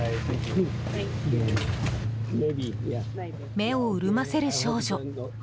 目を潤ませる少女。